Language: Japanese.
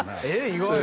意外